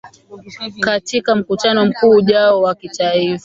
katika mkutano mkuu ujao wa kitaifa